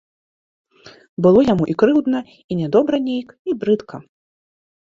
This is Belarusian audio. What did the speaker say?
Было яму і крыўдна, і нядобра нейк, і брыдка.